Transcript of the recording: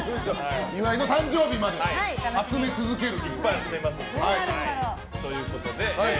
岩井の誕生日まで集め続けると。